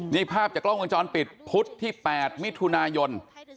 นี่ภาพจากกล้องวงจรปิดพุธที่๘มิถุนายน